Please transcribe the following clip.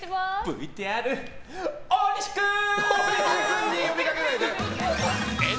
ＶＴＲ大西くーん！